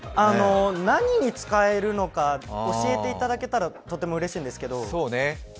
何に使えるのか教えていただけたらとてもうれしいんですけど。